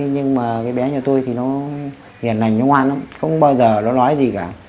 nhưng mà cái bé nhà tôi thì nó hiền lành nó ngoan lắm không bao giờ nó nói gì cả